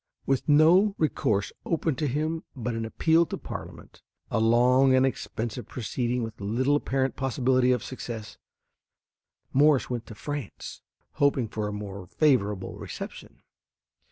With no recourse open to him but an appeal to Parliament, a long and expensive proceeding with little apparent possibility of success, Morse went to France, hoping for a more favorable reception.